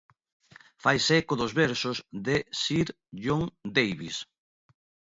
Faise eco dos versos de Sir John Davies.